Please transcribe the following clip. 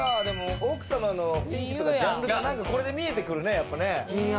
奥様の雰囲気とかジャンル、これで見えてくるね。